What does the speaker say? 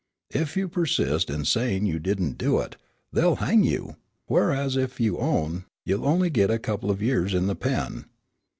If you persist in saying you didn't do it, they'll hang you; whereas, if you own, you'll only get a couple of years in the 'pen.'